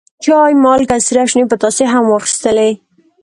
چای، مالګه، سرې او شنې پتاسې هم واخیستلې.